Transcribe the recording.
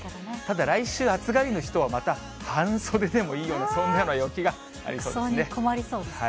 ただ来週、暑がりの人はまた半袖でもいいような、そんなような陽気がありそそれは困りそうですね。